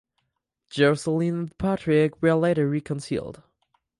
Joscelin and the patriarch were later reconciled.